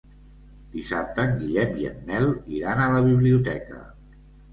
Dissabte en Guillem i en Nel iran a la biblioteca.